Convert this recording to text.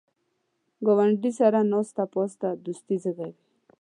ګاونډي سره ناسته پاسته دوستي زیږوي